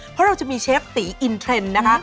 เพราะเราจะมีเชฟตีอินเทรนด์นะคะ